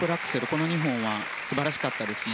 この２本は素晴らしかったです。